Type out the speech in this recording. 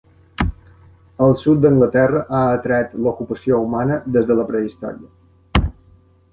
El sud d'Anglaterra ha atret l'ocupació humana des de la prehistòria.